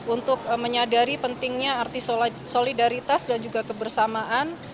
untuk menyadari pentingnya arti solidaritas dan juga kebersamaan